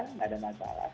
nggak ada masalah